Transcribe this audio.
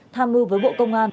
tham mưu với bộ công an